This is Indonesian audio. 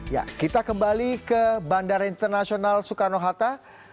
ya kita kembali ke bandara internasional soekarno hatta